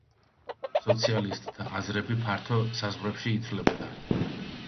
სოციალისტთა აზრები ფართო საზღვრებში იცვლებოდა.